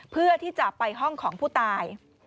เพื่อที่จะไปห้องของผู้ตาย